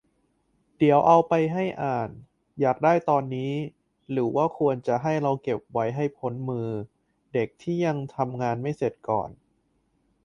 เดี๋ยวเอาไปให้อ่าน อยากได้ตอนนี้ หรือว่าควรจะให้เราเก็บไว้ให้พ้นมือเด็กที่ยังทำงานไม่เสร็จก่อน ?